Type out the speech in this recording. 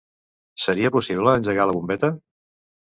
Seria possible engegar la bombeta?